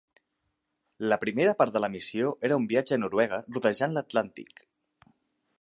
La primera part de la missió era un viatge a Noruega rodejant l"Atlàntic.